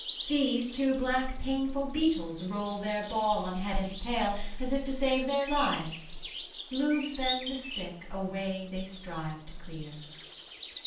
'Sees two black painful beetles roll their ball 260 On head and tail as if to save their lives: Moves them the stick away they strive to clear.